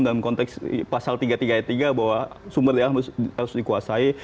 dalam konteks pasal tiga puluh tiga ayat tiga bahwa sumber daya harus dikuasai